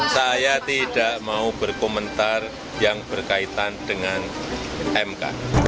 saya tidak mau berkomentar yang berkaitan dengan mk